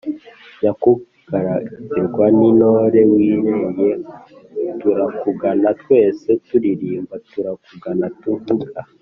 nyakugaragirwa n'intore wirereye turakugana twese turirimba ; turakugana tuvuga